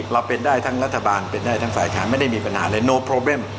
เราเป็นได้ทั้งรัฐบาลเป็นได้ทั้งฝ่ายค้านไม่ได้มีปัญหาเลยโนโพลเบม